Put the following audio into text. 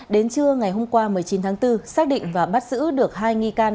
đến trưa ngày hôm qua một mươi chín tháng bốn xác định và bắt giữ được hai nghi can